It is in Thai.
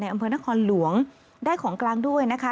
อำเภอนครหลวงได้ของกลางด้วยนะคะ